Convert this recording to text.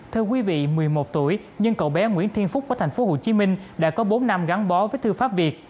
thưa quý vị một mươi một tuổi nhưng cậu bé nguyễn thiên phúc ở thành phố hồ chí minh đã có bốn năm gắn bó với thư pháp việt